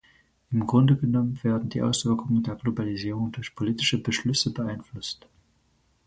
Im Grunde genommen werden die Auswirkungen der Globalisierung durch politische Beschlüsse beeinflusst.